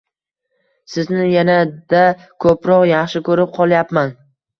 sizni yanada ko'proq yaxshi ko'rib qolyapman.